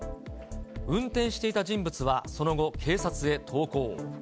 運転していた人物はその後、警察へ投降。